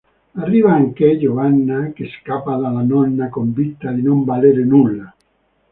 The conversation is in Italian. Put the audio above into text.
Arriva anche Giovanna, che scappa dalla nonna convinta di non valere nulla.